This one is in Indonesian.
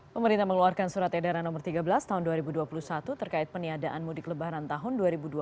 pemerintah mengeluarkan surat edaran nomor tiga belas tahun dua ribu dua puluh satu terkait peniadaan mudik lebaran tahun dua ribu dua puluh